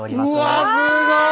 うわっすごい！